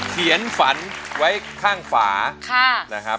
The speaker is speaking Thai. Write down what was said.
เขียนฝันไว้ข้างฝา